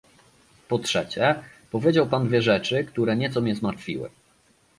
Po trzecie, powiedział pan dwie rzeczy, które nieco mnie zmartwiły